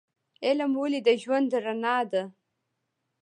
علم ولې د ژوند رڼا ده؟